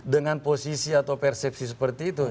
dengan posisi atau persepsi seperti itu